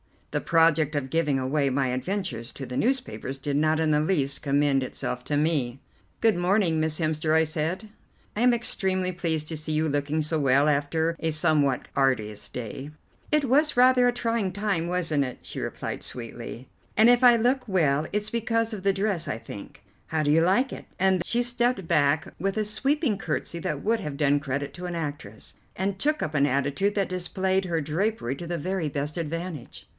The project of giving away my adventures to the newspapers did not in the least commend itself to me. "Good morning, Miss Hemster," I said, "I am extremely pleased to see you looking so well after a somewhat arduous day." "It was rather a trying time, wasn't it?" she replied sweetly, "and if I look well it's because of the dress, I think. How do you like it?" and she stepped back with a sweeping curtesy that would have done credit to an actress, and took up an attitude that displayed her drapery to the very best advantage.